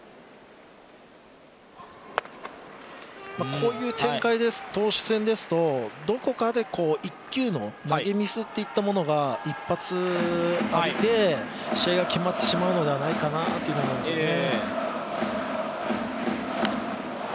こういう展開で投手戦ですとどこかで１球の投げミスといったものを一発浴びて試合が決まってしまうのではないかなというのがあるんですよね。